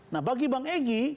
nah bagi bang egy